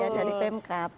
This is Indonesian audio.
ya dari pemkap